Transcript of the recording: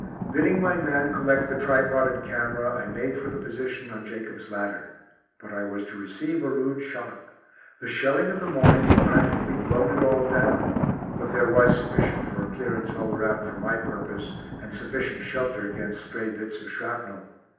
Bidding my man collect the tripod and camera, I made for the position on Jacob's Ladder. But I was to receive a rude shock. The shelling of the morning had practically blown it all down. But there was sufficient for a clearance all around for my purpose, and sufficient shelter against stray bits of shrapnel.